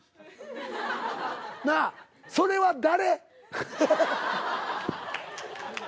なあそれは誰？